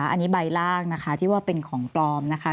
อันนี้ใบลากนะคะที่ว่าเป็นของปลอมนะคะ